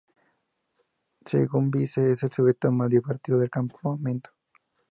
Según Vince, es el sujeto más divertido del campamento.